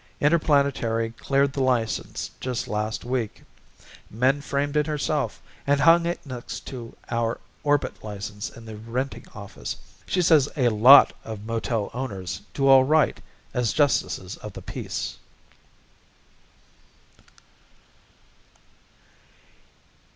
Interplanetary cleared the license just last week. Min framed it herself and hung it next to our orbit license in the Renting Office. She says a lot of motel owners do all right as Justices of the Peace.